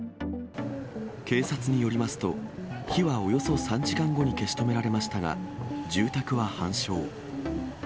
警察によりますと、火はおよそ３時間後に消し止められましたが、住宅は半焼。